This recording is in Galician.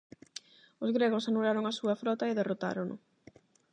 Os gregos anularon a súa frota e derrotárono.